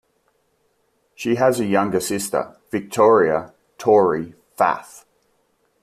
She has a younger sister, Victoria "Tori" Fath.